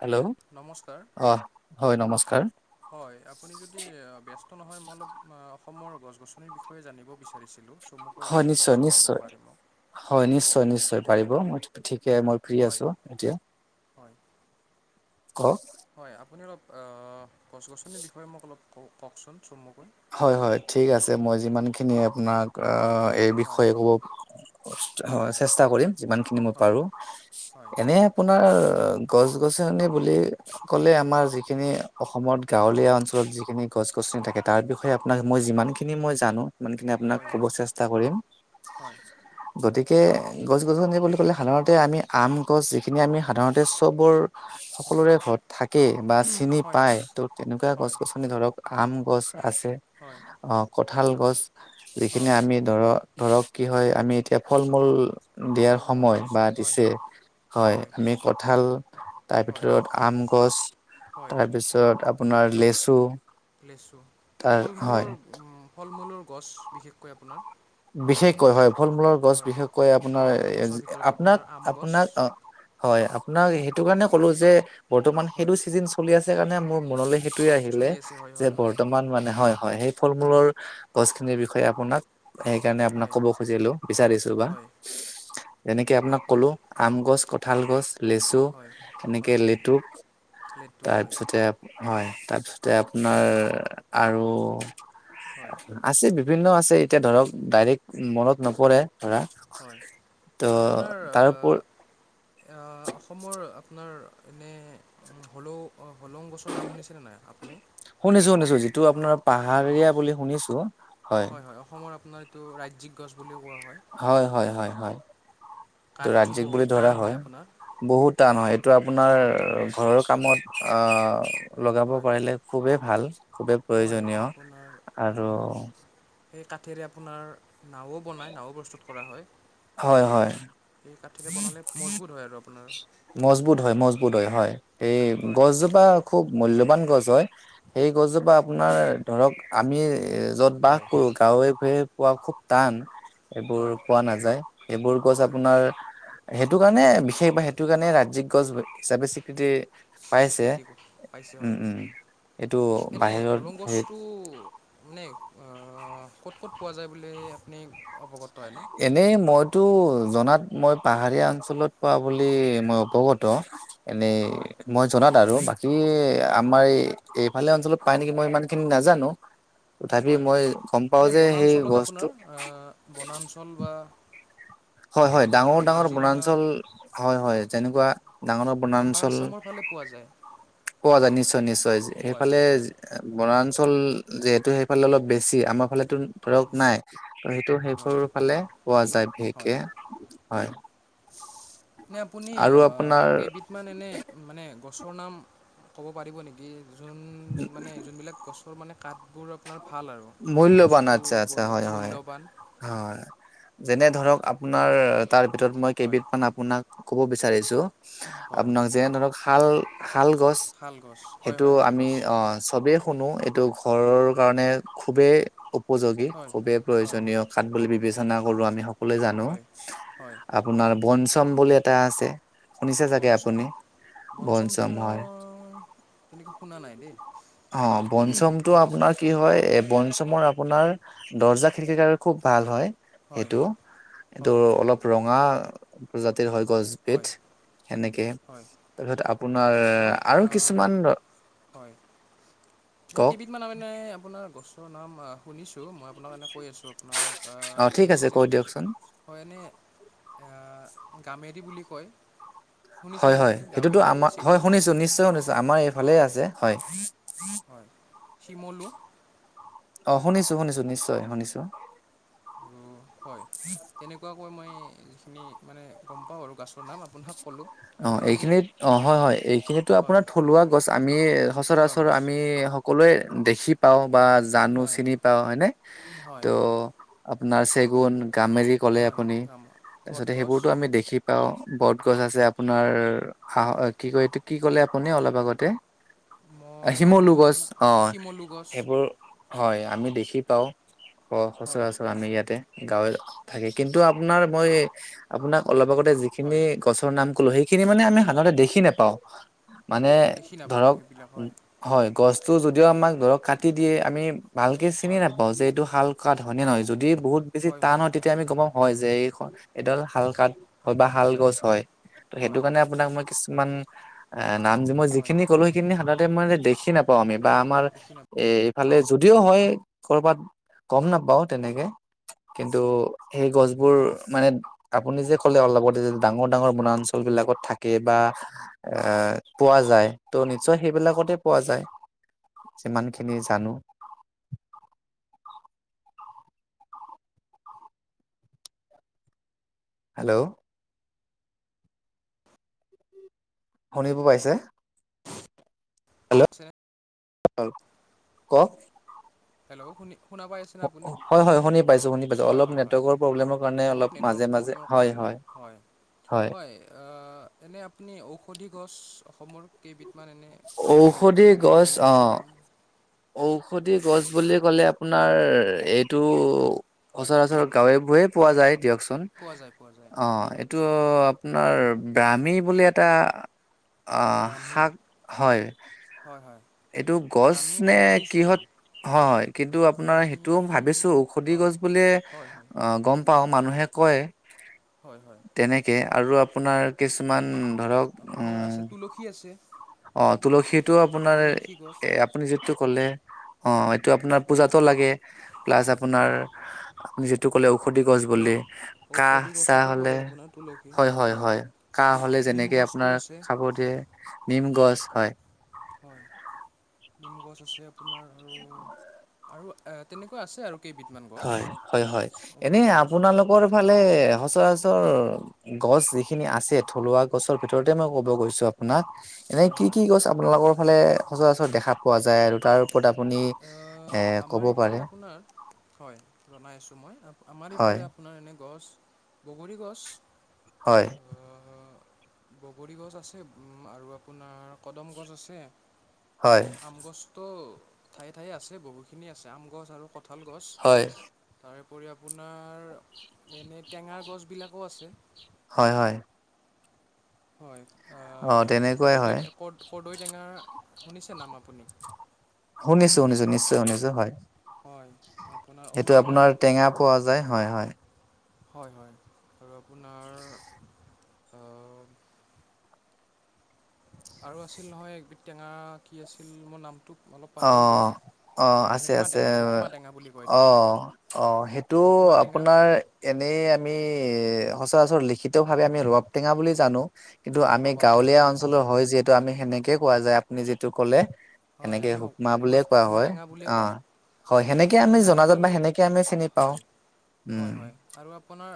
Hello নমস্কাৰ অ হয় নমস্কাৰ হয় আপুনি যদি টো নহয় মই অলপ অসমৰ গছ গছনিৰ বিষয়ে জানিব বিচাৰিছিলোঁ। চমুকৈ হয় আপুনি অলপ নিশ্চয় জনাব নিশ্চয় পাৰে মোক হয় নিশ্চয় নিশ্চয় পাৰিব মই সয়াই মই ফ্ৰী হয় আছো এতিয়া হয় কওক হয় আপুনি অলপ গছ গছনিৰ বিষয়ে মোক অলপ কওকচোন চমুকৈ। হয় হয় ঠিক আছে মই যিমান খিনি আপোনাক এই হয় বিষয়ে ক'ব। হয় চেষ্টা কৰিম যিমান খিনি মই হয় পাৰো হয় এনে আপোনাৰ। অ গছ গছনি বুলি ক'লে আমাৰ যিখিনি অসমত হয় গাঁৱলীয়া অঞ্চলত যিখিনি গছ গছনি থাকে তাৰ বিষয়ে আপোনাক হয় হয় মই যিমানখিনি মই জানো সিমানখিনি আপোনাক হয় হয় ক'ব হয় চেষ্টা কৰিম। হয় গতিকে গতিকে গছ গছনি বুলি ক'লে সাধাৰণতে আমি আম গছ যিখিনি আমি সাধাৰণতে চবৰ। হয় হয় সকলোৰে হয় ঘৰত থাকে বা চিনি পায় ত' তেনেকুৱা গছ হয় গছনি ধৰক আম গছ আছে হয় কঁঠাল গছ যিখিনি হয় আমি ধৰক। ধৰক কি হয় আমি এতিয়া ফল মূল দিয়াৰ ফল মূল সময় লিচু। বা হয় দিছে। হয় হয় আমি কঠাল তাৰ হয় ভিতৰত আম গছ হয় তাৰপিছত আপ- আপোনাৰ লেচু লেচু তাৰ ফল হয় মূলৰ ফল মূলৰ গছ বিশেষকৈ আপোনাৰ আমাৰ বিশেষকৈ হয় ফল মূলৰ গছ হয় বিশেষকৈ ফল আপোনাৰ মূলৰ গছৰ ভিতৰত আপোনাক আপোনাৰ আম গছ আপোনাক হয় আপোনাক সেইটো কাৰণে ক'লো যে বৰ্তমান সেইটো হয় ছিজেন চলি আছে কাৰণে মোৰ মনলৈ সেইটোয়ে আহিলে চলি আছে হয় যে হয় হয় বৰ্তমান মানে হয় হয় সেই ফল মূলৰ গছ খিনিৰ বিষয়ে আপোনাক সেইকাৰণে আপোনাক হয় কব খুজিলো বিচাৰিছো বা হয় যেনেকে আপোনাক হয় ক'লো আম গছ ক- কঁঠাল গছ লেচু হয় এনেকে হয় লেতু লেটুক হয় তাৰপিছতে হয় তাৰপিছতে আপোনাৰ আৰু হয় আছে বি- বিভিন্ন আছে এতিয়া ধৰক ডাইৰেক্ট মনত নপৰে। ধৰা হয় ত আৰু আপোনাৰ তাৰউপৰ- অসমৰ আপোনাৰ এনে হলো অ হলং গছৰ নাম শুনিছেনে নাই আপুনি এইটো আপোনাৰ হলং পাহাৰীয়া গছ বুলি শুনিছো হয়। যি গছ বুলি কোৱা হয় হয় হয় এইটো কাঠটো ৰাজ্যিক বুলি বহুত টান ধৰা হয় আপোনাৰ বহুত টান হয় এইটো আপোনাৰ বহুত টান হয় ঘৰৰ কামত আহ লগাব হয় পাৰিলে খুবেই ভাল। হয় খুবেই প্ৰয়োজনীয় আপোনাৰ আৰু সেই কাঠিৰে আপোনাৰ নাও বনায় নাও প্ৰস্তুত কৰা হয়। হয় হয়। এই কাঠিতে বনালে মজবুত হয় আৰু আপোনাৰ মজবুত হয় মজবুত হয় হয় সেই হয়। গছজোপা খুব মূল্যবান গছ হয় সেই গছজোপা আপোনাৰ ধৰক আমি এ যত বাস হয় কৰো গাঁৱে ভোৱে পোৱা খুব টান। এইবোৰ হয় পোৱা নাযায় সেইবোৰ গছ হয় আপোনাৰ সেইটো কাৰণে বিশেষ বা সেইটো কাৰণে ৰাজ্যিক গছ হিচাপে স্বীকৃতি। পাইছে স্বীকৃতি পাইছে উম হয়। উম এইটো এনে বাহিৰত হলং হে গছটো মানে ক'ত ক'ত পোৱা যায়। বুলি আপুনি অৱগত হয়নে এনেই মইতো। জনাত মই পাহাৰীয়া অঞ্চলত পোৱা বুলি মই অৱগত। এনেই হয় মই জনাত আৰু বাকী হয় আমাৰ এই এই ভালে অঞ্চলত পাই নেকি মই ইমান খিনি নাজানোঁ। তথাপি হয় মই গম পাওঁ এই যে সেই বনাঞ্চলত গছটো আপোনাৰ আহ, বনাঞ্চল বা- হয় হয় আপোনাৰ ডাঙৰ ডাঙৰ কাজিৰঙা বনাঞ্চল হয় হয় তেনেকুৱা। ডাঙৰ ডাঙৰ আপাৰ বনাঞ্চল। আছামৰ ফালে পোৱা যায় পোৱা যায় নিশ্চয় নিশ্চয় পোৱা সেইফালে যায় হয় বনাঞ্চল যিহেত- টো সেইফালে অলপ বেছি আমাৰ ফালেতো ধৰক নাই নিশ্চয় সেইটো সেইবোৰ হয় ফালে ইমান পোৱা যায় ভে- কে হয় হয়। নে আপুনি আৰু আপোনাৰ কেইবিধ মান এনে মানে গছ- গছৰ নাম ক'ব পাৰিব নেকি? যোন মানে যোনবিলাক গছৰ মানে কাঠবোৰ আপোনাৰ- ভাল আৰু মূল্যবান বস্তু আচ্ছা আচ্ছা বনোৱাত হয় হয় মূল্যৱান হয় যেনে- ধৰক আপোনাৰ তাৰ ভিতৰত মই হয় কেইবিধমান আপোনাক ক'ব বিচাৰিছোঁ। হয় আপোনাক যে ধৰক শাল। শাল গছ শালগছ হয় সেইটো হয় আমি শালগছ অ চবেই শুনো এইটো ঘৰৰ কাৰণে খুবেই উপযোগী হয় খুবেই হয় প্ৰয়োজনীয় খাত বুলি বিবেচনা কৰোঁ আমি- সকলোৱে জানোঁ হয় হয় আপোনাৰ বনঞ্চম বুলি এটা আছে। শুনিছে চাগে আপুনি। বঞ্চমটো বনচম হয় মই। তেনেকৈ শুনা নাই দেই অ বঞ্চমটো হয় আপোনাৰ কি হয়? বনঞ্চমৰ আপোনাৰ দৰ্জা খিৰিকী কাৰে খুব ভাল হয়। হয় সেইটো এইটো হয় অলপ ৰঙা প্ৰজাতিৰ হয় গছবিধ। সেনেকে হয় তাৰপিছত আপোনাৰ মই আৰু আহ, কিছুমান। হয়। মই কওক কেইবিধমানে আপোনাৰ গছৰ নাম আ শুনিছোঁ। মই আপোনাক এনে কৈ আছোঁ আপোনাক অ ঠিক আছে যে কৈ দিয়কচোন হয় এনেই। গামেৰি বুলি কয়। হয় শুনিছেনে হয় আপুনি সেইটোতো গামেৰি আমাৰ হয় চেগুন শুনিছোঁ নিশ্চয় শুনিছো আমাৰ এইফালে আছে হয়। হয় শিমলু। অ শুনিছোঁ শুনিছোঁ নিশ্চয় শুনিছোঁ আৰু হয় তেনেকুৱাকৈ মই যিখিনি মানে গম পাওঁ আৰু গাছ মই আপোনাক কলোঁ। অ এইখিনিত অ হয় হয় এইখিনিতো হয় আপোনাৰ থলুৱা গছ আমি থলুৱা সচৰাচৰ গছ আমি সকলোৱে দেখি পাওঁ বা জানোঁ হয় চিনি পাওঁ হয়নে হয় ত' আপোনাৰ চেগুন, গামেৰি, ক'লে হয় আপুনি গাম তাৰপিছতে বটগছ সেইবোৰতো আমি দেখি পাওঁ। বটগছ, আছে আপোনাৰ আহ হয় কি কয় এইটো কি ক'লে আপুনি অলপ আগতে। আহ মই শিমলু কোনটো গছ আপোনাৰ অ শিমলু গছ সেইবোৰ। হয় আমি দেখি পাওঁ হয় সচৰাচৰ আমি ইয়াতে। গাঁৱে থাকে কিন্তু আপোনাৰ মই আপোনাক অলপ আগতে যিখিনি হয় গছৰ নাম ক'লো সেই। খিনি মানে আমি সাধাৰণতে দেখি নোপাওঁ মানে দেখি নাপাওঁ ধৰক সেইবিলাক হয় হয় গছ চ' যদিও আমাক ধৰক কাটি দিয়ে আমি ভালকে চিনি হয় নাপাওঁ যে এইটো হাল কাঠ হয়নে হয় নহয় যদি বহুত বেছি টান হয় তেতিয়া আমি গমা হয় যে এই এডাল হালকাত হয় হয়। ভাল গছ হয় টো সেইটো কাৰণে আপোনাক মই কিছুমান- এএ নাম মই হয় যিখিনি ক'লো সেইখিনি সাধাৰতে মই দেখি নাপাওঁ আমি বা আমাৰ দেখি এ- ফালে যদিও হয় কৰ'বাত গম নাপাও তেনেকে। কিন্তু, সেই গছবোৰ মানে আপুনি যে ক'লে অলপত- ডাঙৰ ডাঙৰ বনাঞ্চল বিলাকত থাকে বা এ পোৱা যায় টৌ নিশ্চয় সেই- বিলাকতে পোৱা যায়। যিমান খিনি জানো। [inaudible] হেল্ল। শুনিব পাইছে। [unintelligible] কক। হেল্লৌ শুনিছে। হয় হয় শুনি পাইছো, শুনি পাইছো হয় অলপ হয় হয় নেটৱৰ্কৰ প্ৰব্লেমৰ কাৰণে অলপ নেটৱৰ্ক মাজে মাজে প্ৰব্লেমৰ কাৰণে হয় অলপ হয়। হয়, হয় এনে আপুনি ঔষধি গছ- অসমৰ কেইবিধমান এনে জানে নেকি ঔষধি গছ ঔষধি, অ গছৰ নাম। ঔষধি গছ বুলি ক'লে আপোনাৰ এইটো- হয় সচৰাচৰ গাঁৱেবোৰে পোৱা যায় দিয়কচোন পোৱা যায় পোৱা যায় অ এইটো- আপোনাৰ ব্ৰামি, বুলি এটা- আহ ব্ৰাহ্মী শাক, হয়। হয় হয় এইটো গছ- ব্ৰাহ্মী মই শুনিছো নাম। হয় হয় কিন্তু আপোনাৰ ব্ৰাহ্মী সেইটোও ভাবিছো ঔষধি, হয় গছ বুলিয়ে হয় হয় অ গম- পাওঁ মানুহে কয় হয় হয় তেনেকে আৰু আপোনাৰ কিছুমান- ধৰক আপোনাৰ উম আছে তুলসী, আছে। অ তুলসীটো আপোনাৰ তুলসী গছ এ আপুনি যিটো ক'লে অ। টো আপোনাৰ হয় পূজাতো লাগে, প্লাছ আপোনাৰ হয় আপুনি যিটো কলে ঔষধি গছ ঔ বুলি কাহ ঔষধি চাহ গছতো পৰে হলে। আপোনাৰ তুলসী হয় হয় হয়। কাহ হলে নিম যেনেকে গছটো আপোনাৰ আছে খাব দিয়ে নিম- গছ হয়। হয, নিম গছ আছে আপোনাৰ আৰু- [unintelligible] আৰু এ তেনেকুৱা আছে আৰু। কেইবিধমান গছ হয় হয় হয় এনে ঔষধি গছ আপোনালোকৰ ফালে এ- সচৰাচৰ গছ যিখিনি আছে হয় থলুৱা গছৰ ভিতৰতে মই ক'ব গৈছো আপোনাক- এনে হয় কি হয় কি গছ আপোনালোকৰ ফালে সচৰাচৰ দেখা পোৱা যায় আৰু তাৰ- পত আপুনি এ আমাৰ ক'ব এইফালে পাৰে। আপোনাৰ হয় জনাই আছো মই আমাৰ হয়, ইফালে আপোনাৰ এনে গছ- বগৰী গছ। হয়, বগৰী গছ আছে উম আৰু আপোনাৰ কদম গছ আছে- হয়, আম গছতটো ঠায়ে ঠায়ে আছে বহুখিনি আছে আম গছ আৰু ক- কঠাল গছ হয়, তাৰে- উপৰি আপোনাৰ এনেই টেঙাৰ গছবিলাকো আছে। হয় হয়। হয়। আ অ তেনেকুৱাই কৰ্দৈ হয়। ক কৰ্দৈ টেঙা শুনিছে নাম আপুনি। শুনিছো শুনিছো নিশ্চয় শুনিছো হয়। হয় আপোনাৰ এইটো ঔটেঙা আপোনাৰ টেঙা পোৱা যায় হয় হয়। হয় হয় আৰু আপোনাৰ অ- আৰু আছিল নহয় একবিধ টেঙা কি আছিল মোৰ নামটো- অলপ অ পাহৰিলোঁ অ আছে হুকমা আছে। টেঙা হুকমা টেঙা বুলি কয় এইটো অ অ সেইটো হুকমা টেঙা আপোনাৰ এনেই আমি এ সচৰাচৰ লিখিতভাৱে আমি হয় ৰবাব টেঙা বুলি জানো কিন্তু আমি ৰবাব টেঙা গাঁৱলীয়া বুলি কওঁ অঞ্চলৰ হয় যিহেতু আমি সেনেকে কোৱা যায় আপুনি যিটো কলে হয় আমিও মা বুলিয়ে কোৱা হয় অ হয় সেনেকে আৰু আমি জনাজত নাৰিকল বা সেনেকে আমি চিনি পাওঁ হয় উম, হয় হয় আৰু আপোনাৰ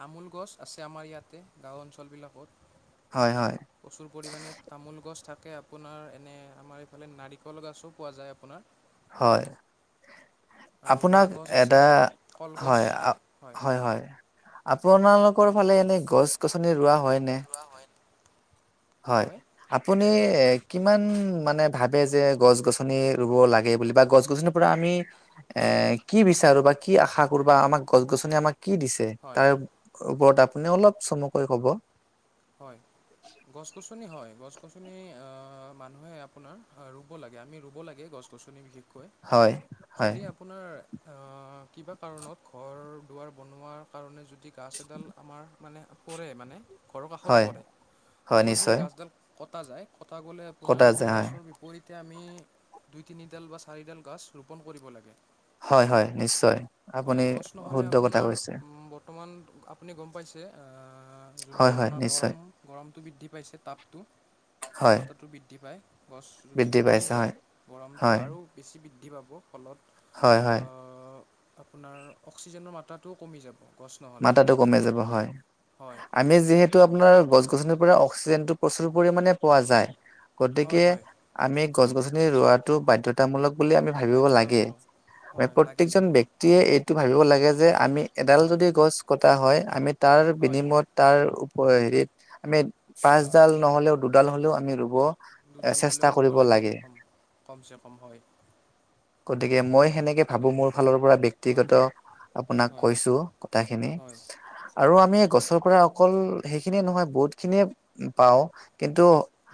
তামোল গছ আছে আমাৰ ইয়াতে গাঁও অঞ্চলবিলাকত হয়, হয়, প্ৰচুৰ পৰিমামানে তামোল গছ থাক তাকে আপোনাৰ এনে আমাৰ এইফালে নাৰিকল গাছও পোৱা যায় আপোনাৰ হয় আৰু বাঁহ আপোনাক গছ আছে এটা কলগছ হয় হয় হয় আপোনালোকৰ ফালে এনে গছ গছনি ৰোৱা হয় নে হয় আপুনি এ কিমান মানে ভাবে যে গছ গছনি ৰুব লাগে বুলি বা গছ গছনিৰ পৰা আমি এ হয় হয় কি বিচাৰো বা কি আশা কৰো বা আমাক গছ গছনি আমাক কি দিছে হয় তাৰ ওপৰত আপুনি অলপ চমুকৈ কব হয় গছ গছনি হয় গছ গছ গছনি মানুহে আপোনাৰ ৰুব লাগে আমি ৰুব লাগে গছ গছনি বিশেষ হয় হয় যদি আপোনাৰ কিবা কাৰণত ঘৰ দুৱাৰ বনোৱাৰ কাৰণে যদি গাছ এডাল আমাৰ মানে পৰে মানে ঘৰৰ হয় কাষত পৰে হয় ফলত সেই নিশ্চয় গাছডাল কটা যায় কটা গ'লে কটা আপোনাৰ সেই যায় গাছৰ বিপৰীত তেয়া আমি দুই তিনিডাল বা চাৰিডাল গছ ৰোপণ কৰিব লাগে হয় হয় নিশ্চয় হয় আপুনি গছ নহলে শুদ্ধ কথা আপোনাৰ কৈছে বৰ্তমান আপুনি গম পাইছে হয় যোনটো হয় আপোনাৰ নিশ্চয় গৰম গৰমটো বৃদ্ধি পাইছে তাপটো হয় তাপমাত্ৰাটো বৃদ্ধি পায় গছ যদি বৃদ্ধি কমি পাইছে যায় হয় গৰমটো হয় আৰু বেছি বৃদ্ধি পাব ফলত হয় হয় আহ, আপোনাৰ অক্সিজেনৰ মাত্ৰাটোও কমি যাব গছ নহ'লে মাতাতটো কমাই যাব হয় হয় আমি যিহেতু আপোনাৰ গছ গছ গছনিৰ পৰা অক্সিজেন টো প্ৰচুৰ পৰিমাণে পোৱা অক্স যায় গতিকে হয় হয় আমি গছ গছ মি ৰোৱাটো বাধ্যতামূলক বুলি আমি ভাবিব লাগে বাধ্যতামূলক আ হয় লাগে প্ৰত্যেকজন লাগে ব্যক্তিয়ে এইটো ভাবিব লাগে যে হয় আমি এডাল হয় যদি গছ হয় আমি তাৰ হয় বিনিময়ত তাৰ হেৰিত আমি হয় পাঁচডাল নহ'লে দুডাল হলেও আমি ৰুব এ দুডাল চেষ্টা হ'লেও ৰুব কৰিব লাগে কমচে কম হয় গতিকে মই সেনেকে ভাবো মোৰ ফালৰ পৰা হয় ব্যক্তিগত হয় আপোনাক হয় কৈছো কথাখিনি হয় আৰু আমি আমি গছৰ পৰা অকল সেইখিনিয়ে নহয় বহুত খিনিয়ে পাওঁ কিন্তু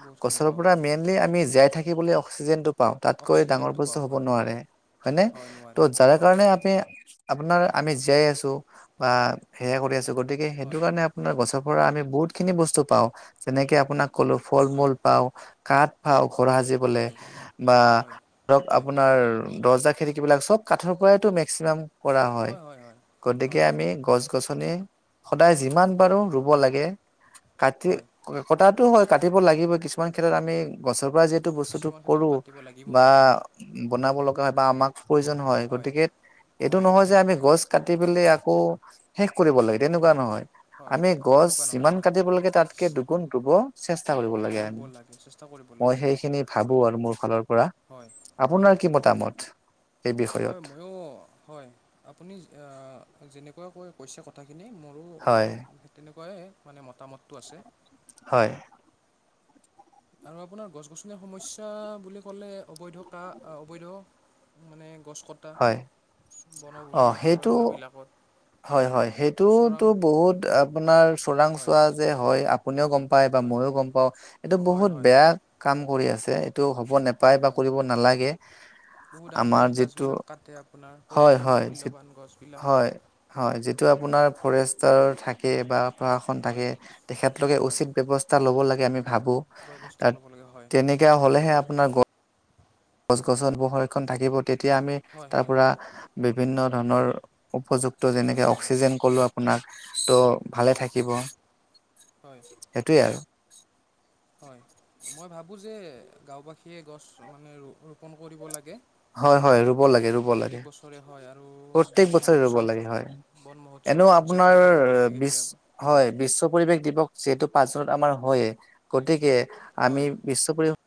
বহুতখিনি গছৰ পাওঁ পৰা হয় মেইনলি আমি জীয়াই থাকিবলৈ অক্সিজেনটো পাওঁ তাতকৈ ডাঙৰ অক্সিজেনটো বস্তু পাওঁ হ'ব হয় নোৱাৰে হয়নে হয় নোৱাৰে ত' যাৰ হয় কাৰণে আমি আপোনাৰ আমি জীয়াই আছো বা সেয়া কৰি আছো গতিকে সেইটো হয় কাৰণে আপোনাৰ গছক পৰা আমি বহুত খিনি বস্তু পাওঁ যেনেকে আপোনাক কলো ফল হয় মূল পাও কাঠ পাওঁ ঘৰ সাজিবলে হয় বা হয় হয় হয় ধৰক হয় আপোনাৰ দৰ্জা সেই কিবিলাক চব কাঠৰ পৰাইতো মেক্সিমাম হয় হয় হয় গতিকে আমি গছ গছনি সদায় যিমান হয় পাৰো ৰুব লাগে কাটি হয় কটাতো হয় কাটিব লাগিব কিছুমান ক্ষেত্ৰত আমি গছৰ যিহেতু বস্তুটো কিছুমান ক্ষেত্ৰত কৰো কাটিব লাগিব বা পাৰে হয় বনাব লগা হয় বা আমাক প্ৰয়োজন হয় গতিকে এইটো হয় নহয় যে আমি গছ কাটি পেলে আকৌ শেষ কৰিব লাগে তেনেকুৱা হয় নহয় হয় আমি গছ তেনেকুৱা নহয় যিমান হয় কাটিব লাগে তাতকে দুগুণ ৰুব চেষ্টা কৰিব লাগে ৰুব আনে। লাগে চেষ্টা কৰিব মই লাগে হয় সেইখিনি ভাৱো আৰু মোৰ ফালৰ পৰা। হয় আপোনাৰ কি মতামত? এই হয়, বিষয়ত ময়ো হয়, আপুনি আ যেনেকুৱা কৈ কৈছে কথা খি- এনেই মৰো হয় তেনেকুৱাই মানে, মতামতটো আছে। হয় আৰু আপোনাৰ গছ -গছনিৰ সমস্যা বুলি ক'লে অবৈধ কা অবৈধ মানে গছ কটা, হয় অ বনভূমি, সেইটো অৰণ্যবিলাকত- হয়, হয় চোৰাং সেইটোতো বহুত আপোনাৰ হয় চোৰাংচোৱা যে হয়। আপ- পোনিও গম পায় বা হয় মইও গম পাওঁ, এইটো হয় বহুত হয় বেয়া কাম কৰি আছে। টো হ'ব নেপায় বা কৰিব নালাগে। বহু দামী আমাৰ দামী যিটো গাছবিলাক কাটে আপোনাৰ হয়, প্ৰয়োজনীয় হয়, যি মূল্যবান গছবিলাক। হয়, হ'য়, যিটো আপোনাৰ ফৰেষ্টাৰ থাকে বা প্ৰশাসন হয় থাকে, তেখেতলোকে হয় উচিত ব্যৱস্থা ল'ব লাগে আমি ভাৱো ব্যৱস্থা তাত ল'ব লাগে হয় তেনেকা হ'লেহে আপোনাৰ গ- গছ-গছনিবোৰ সংৰক্ষণ থাকিব তেতিয়া আমি হয় তাৰ হয় পৰা বি- বিভিন্ন ধৰণৰ উপযুক্ত যেনেকে হয় অক্সিজেন ক'লো আপোনাক ত' ভালে হয় থাকিব। হয় সেইটোৱে আৰু। হয়, মই ভাৱো যে গাঁওবাসীয়ে গছ মানে, ৰো ৰোপণ কৰিব লাগে। হয়, হয় ৰুব লাগে, ৰুব প্ৰত্যেক লাগে। বছৰে হয় আৰু প্ৰত্যেক বন বছৰে ৰুব মহোৎসৱ লাগে। হয়। বন মহোৎসৱ এনেও উদযাপন আপোনাৰ কৰিব লাগে বিশ কেতিয়াবা হ'য়, বিশ্ব পৰিৱেশ দিৱস যিহেতু পাছত আমাৰ হয়ে গতিকে আমি হয় বিশ্ব পৰিৱেশ